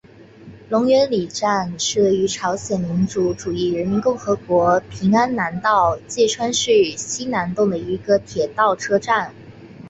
龙源里站是位于朝鲜民主主义人民共和国平安南道价川市西南洞的一个铁路车站。